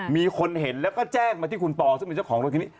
มีคนเห็นแล้วก็แจ้งมาที่คุณปอซึ่งเป็นเจ้าของรถคันนี้